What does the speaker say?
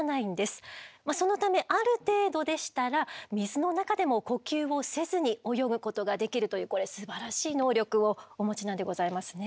そのためある程度でしたら水の中でも呼吸をせずに泳ぐことができるというこれすばらしい能力をお持ちなんでございますね。